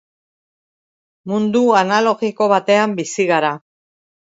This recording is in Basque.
Mundu analogiko batean bizi gara